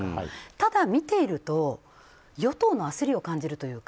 ただ、見ていると与党の焦りを感じるというか。